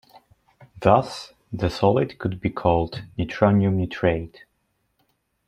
Thus, the solid could be called "nitronium nitrate".